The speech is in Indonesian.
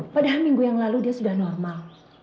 padahal minggu yang lalu dia sudah normal